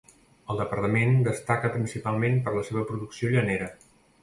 El departament destaca principalment per la seva producció llanera.